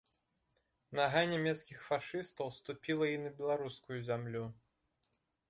Нага нямецкіх фашыстаў ступіла і на беларускую зямлю.